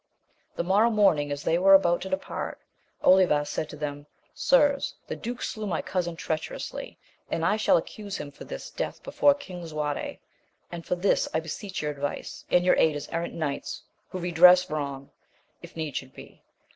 The morrow morning as they were about to depart, Olivas said to them, Sirs, the duke slew my cousin treacherously, and I shall accuse him for his death before King Lisuarte ; and for this I beseech your advice, and your aid as errant knights who re dress wrong, if need should be.